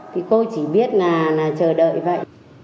thì cô chỉ biết là chờ đợi vậy